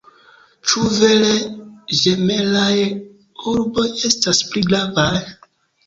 Ĉu vere ĝemelaj urboj estas pli gravaj?